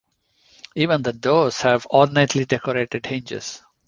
Even the doors have ornately decorated hinges.